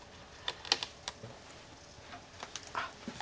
あっ